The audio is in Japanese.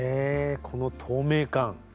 この透明感。